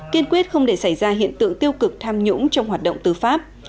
kiên quyết không để xảy ra hiện tượng tiêu cực tham nhũng trong hoạt động tư pháp